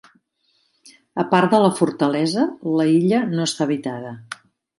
A part de la fortalesa, la illa no està habitada.